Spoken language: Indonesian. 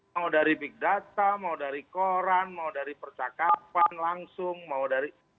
mau dari big data mau dari koran mau dari percakapan langsung mau dari